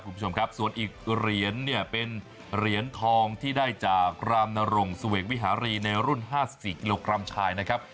คุณผู้ชมครับส่วนอีกเหรียญเนี่ยเป็นเหรียญทองที่ได้จากรามนรงเสวกวิหารีในรุ่น๕๔กิโลกรัมชายนะครับ